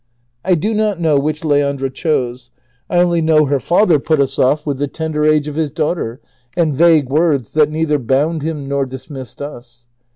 I do not know which Leandra chose; 1 only 430 DON QUIXOTE. know hei' father put us off with the tender age of his daughter and vague words that neither bound him nor dismissed us.